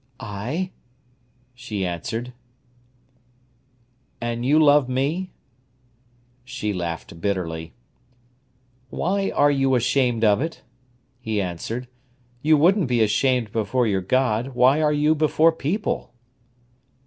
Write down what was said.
"Ay," she answered. "And you love me?" She laughed bitterly. "Why are you ashamed of it," he answered. "You wouldn't be ashamed before your God, why are you before people?"